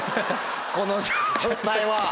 この状態は。